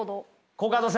コカドさん。